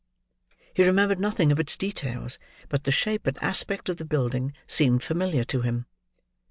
He remembered nothing of its details; but the shape and aspect of the building seemed familiar to him.